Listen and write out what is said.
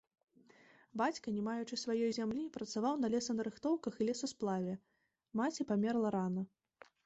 Бацька, не маючы сваёй зямлі, працаваў на лесанарыхтоўках і лесасплаве, маці памерла рана.